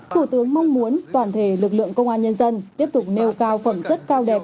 thủ tướng mong muốn toàn thể lực lượng công an nhân dân tiếp tục nêu cao phẩm chất cao đẹp